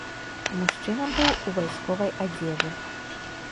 Мужчына быў у вайсковай адзежы.